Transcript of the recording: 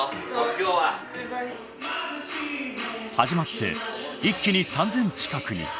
始まって一気に３，０００近くに。